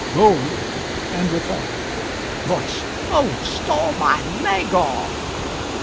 "] Go, and reform.'" [Voice. "Oh, saw my leg off!"